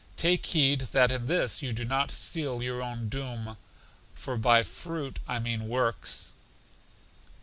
Take heed that in this you do not seal your own doom; for by fruit I mean works.